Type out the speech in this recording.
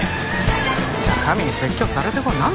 じゃあ神に説教されてこい。